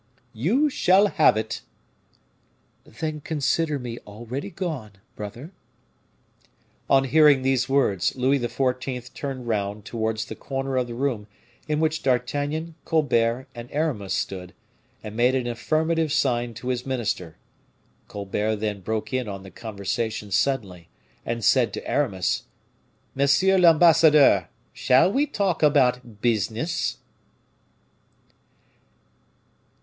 "You shall have it." "Then consider me already gone, brother." On hearing these words, Louis XIV. turned round towards the corner of the room in which D'Artagnan, Colbert, and Aramis stood, and made an affirmative sign to his minister. Colbert then broke in on the conversation suddenly, and said to Aramis: "Monsieur l'ambassadeur, shall we talk about business?"